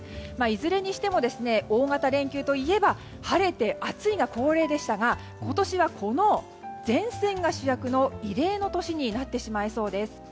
いずれにしても大型連休といえば晴れて暑いが恒例でしたが今年は、この前線が主役の異例の年になってしまいそうです。